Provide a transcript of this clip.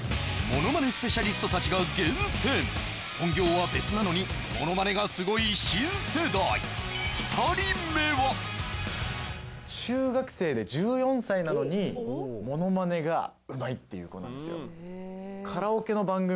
ものまねスペシャリストたちが厳選本業は別なのにものまねがすごい新世代２人目は中学生で１４歳なのにっていう子なんですよ